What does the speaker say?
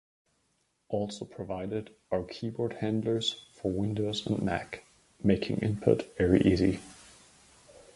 Also provided are keyboard handlers for Windows and the Mac, making input very easy.